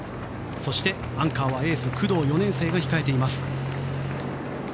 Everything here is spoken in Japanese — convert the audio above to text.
そして、アンカーはエース工藤、４年生が控えています。